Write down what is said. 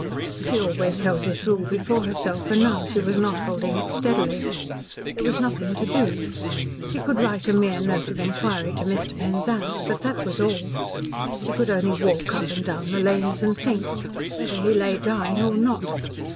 She always held this rule before herself, and now she was not holding it steadily. There was nothing to do. She could write a mere note of inquiry to Mr. Penzance, but that was all. She could only walk up and down the lanes and think whether he lay dying or not.